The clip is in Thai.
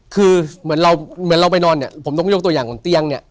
คือเหมือนเราไปนอนเนี่ยผมยกตัวอย่างเครื่องเตียงเนี่ย